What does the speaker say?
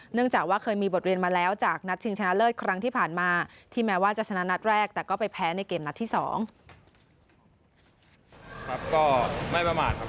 จากว่าเคยมีบทเรียนมาแล้วจากนัดชิงชนะเลิศครั้งที่ผ่านมาที่แม้ว่าจะชนะนัดแรกแต่ก็ไปแพ้ในเกมนัดที่สอง